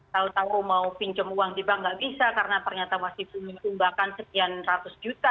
tahun tahun mau pinjam uang tiba tiba nggak bisa karena ternyata masih punya tumbakan sekian ratus juta